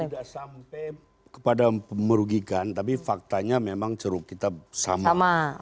tidak sampai kepada merugikan tapi faktanya memang ceruk kita sama